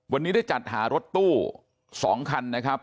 วันนี้ได้จัดหารถตู้๒คันนะครับ